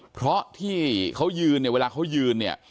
เพราะที่เขายืนเนี่ยเวลาเขายืนเนี่ย